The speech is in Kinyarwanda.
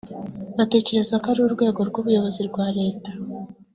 batekereza ko ari urwego rw’ubuyobozi rwa Leta